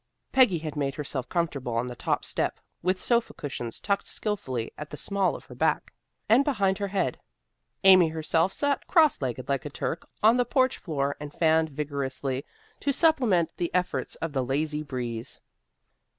Peggy had made herself comfortable on the top step, with sofa cushions tucked skilfully at the small of her back, and behind her head. Amy herself sat cross legged like a Turk on the porch floor and fanned vigorously to supplement the efforts of the lazy breeze.